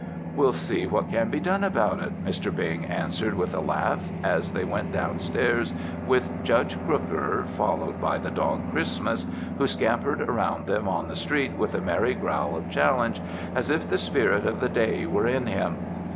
"We'll see what can be done about it," Mr. Bing answered with a laugh, as they went down stairs with Judge Crooker, followed by the dog Christmas, who scampered around them on the street with a merry growl of challenge, as if the spirit of the day were in him.